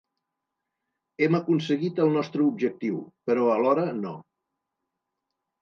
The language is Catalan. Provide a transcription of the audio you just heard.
Hem aconseguit el nostre objectiu, però alhora, no.